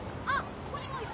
ここにもいる。